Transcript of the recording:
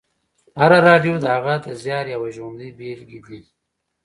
هره راډیو د هغه د زیار یوه ژوندۍ بېلګې ده